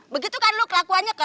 begitu kan lu kelakuannya kepadamu